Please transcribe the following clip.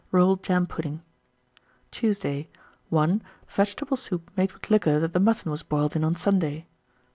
Rolled jam pudding. 1926. Tuesday. 1. Vegetable soup made with liquor that the mutton was boiled in on Sunday.